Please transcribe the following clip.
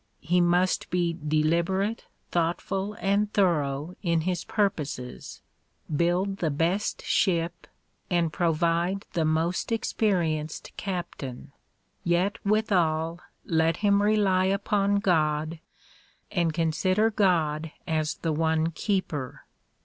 He must be deliberate, thought ful and thorough in his purposes, build the best ship and provide the most experienced captain, yet withal let him rely upon God and consider God as the one keeper.